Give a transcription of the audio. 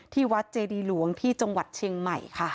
ที่วัดเจดีหลวงที่จังหวัดเชียงใหม่ค่ะ